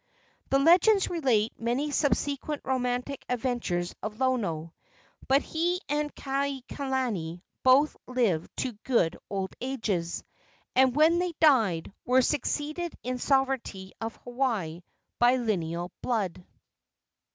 The legends relate many subsequent romantic adventures of Lono; but he and Kaikilani both lived to good old ages, and when they died were succeeded in the sovereignty of Hawaii by lineal blood.